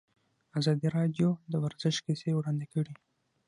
ازادي راډیو د ورزش کیسې وړاندې کړي.